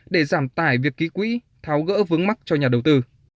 để giảm tải việc ký quỹ tháo gỡ vướng mắt cho nhà đầu tư